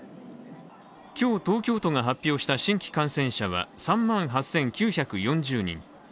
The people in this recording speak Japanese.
今日、東京都が発表した新規感染者は３万８９４０人。